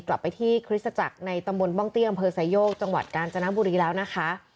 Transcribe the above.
กลับไปที่คริสต์จักรในตระมวลป้องเตี้ยงกันเผลอสายโยกจังหวัดกาลจนบุรีแล้วนะคะ